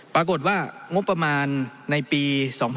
ปรากฏว่างบประมาณในปี๒๕๕๙